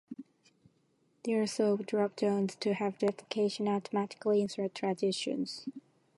There are also drop zones to have the application automatically insert transitions.